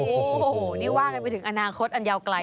โอ้โหนี่ว่ากันไปถึงอนาคตอันยาวไกล